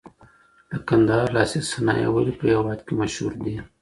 د کندهار لاسي صنایع ولي په هېواد کي مشهور دي؟